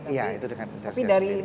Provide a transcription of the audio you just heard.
iya itu dengan investigasi sendiri